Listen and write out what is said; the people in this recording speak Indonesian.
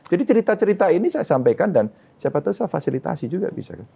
jadi cerita cerita ini saya sampaikan dan siapa tahu saya fasilitasi juga bisa